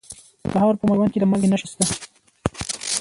د کندهار په میوند کې د مالګې نښې شته.